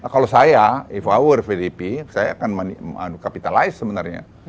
kalau saya if i were pdip saya akan kapitalize sebenarnya